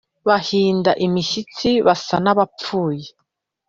bahinda imishitsi basa n’abapfuye